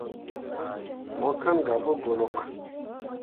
Mo kan gah pu golok.